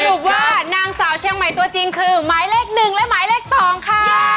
สรุปว่านางสาวเชียงใหม่ตัวจริงคือหมายเลข๑และหมายเลข๒ค่ะ